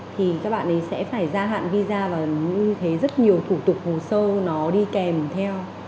thì các bạn ấy sẽ phải gia hạn visa và thấy rất nhiều thủ tục hồ sơ nó đi kèm theo